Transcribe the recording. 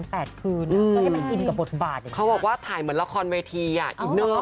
ไปอยู่บ้านเกียวกันถึง๘วัน๘คืนนะ